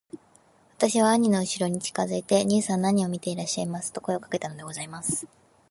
私は兄のうしろに近づいて『兄さん何を見ていらっしゃいます』と声をかけたのでございます。